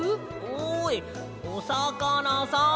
おいおさかなさん。